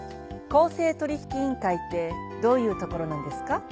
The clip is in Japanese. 公正取引委員会ってどういうところなんですか？